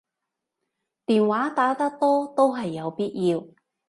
電話打得多都係有必要